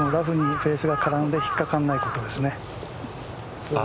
ラフにフェースが絡んで引っかからないことですね。